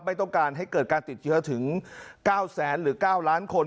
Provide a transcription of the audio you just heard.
ไม่ต้องการให้เกิดการติดเชื้อถึง๙แสนหรือ๙ล้านคน